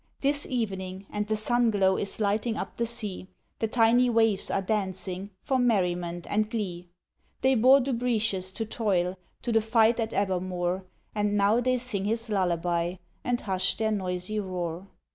'Tis evening, and the sun glow Is lighting up the sea: The tiny waves are dancing, For merriment and glee. They bore Dubritius to toil, To the fight at Abermawr, And now they sing his lullaby, And hush their noisy roar.